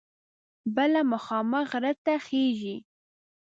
بله مخامخ غره ته خیژي.